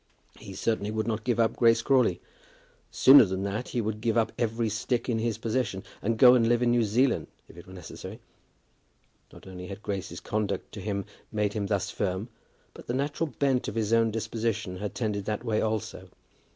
He certainly would not give up Grace Crawley. Sooner than that, he would give up every stick in his possession, and go and live in New Zealand if it were necessary. Not only had Grace's conduct to him made him thus firm, but the natural bent of his own disposition had tended that way also.